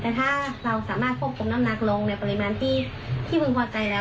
แต่ถ้าเราสามารถควบคุมน้ำหนักลงในปริมาณที่พึงพอใจแล้ว